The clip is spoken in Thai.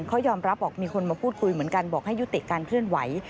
เขายอมรับบอกมีคนมาพูดคุยเหมือนกันบอกให้ยุติการเคลื่อนไหว